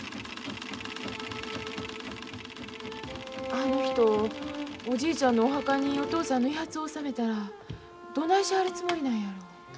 あの人おじいちゃんのお墓にお父さんの遺髪納めたらどないしはるつもりなんやろ。